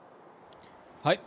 はい。